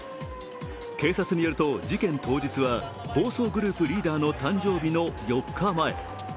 警察によると事件当日は暴走グループリーダーの誕生日の４日前。